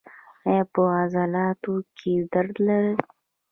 ایا په عضلاتو کې درد لرئ؟